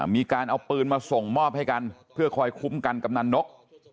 มีการเอาปืนมาส่งมอบให้กันเพื่อคอยคุ้มกันกำนันนก